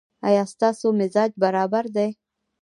ایا ستاسو مزاج برابر دی؟